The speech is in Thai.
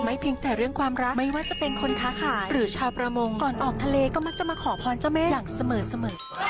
เพียงแต่เรื่องความรักไม่ว่าจะเป็นคนค้าขายหรือชาวประมงก่อนออกทะเลก็มักจะมาขอพรเจ้าแม่อย่างเสมอ